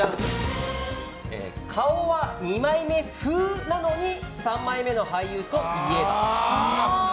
顔は二枚目風なのに三枚目の俳優といえば？